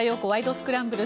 スクランブル」。